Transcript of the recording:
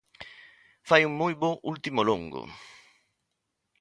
Fai un moi bo último longo.